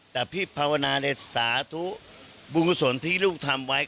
แต่พี่ภาวนาในสาธุบุญกุศลที่ลูกทำไว้